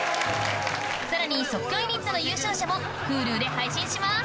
さらに即興ユニットの優勝者もＨｕｌｕで配信します